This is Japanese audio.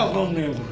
これ！